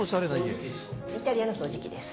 イタリアの掃除機です。